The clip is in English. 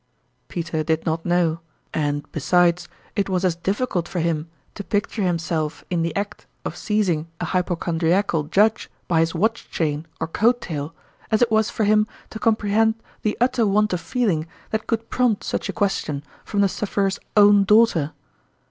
" Peter did not know ; and, besides, it was as difficult for him to picture himself in the act of seizing a hypochondriacal judge by his watch chain or coat tail, as it was for him to comprehend the utter want of feeling that could prompt such a question from the suffer er's own daughter.